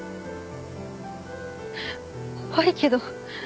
怖いけど。